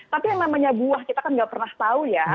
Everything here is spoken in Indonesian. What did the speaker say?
tapi yang namanya buah kita kan nggak pernah tahu ya